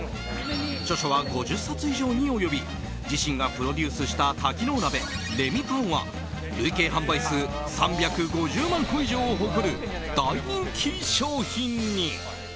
著書は５０冊以上に及び自身がプロデュースした多機能鍋、レミパンは累計販売数３５０万個以上を誇る大人気商品に。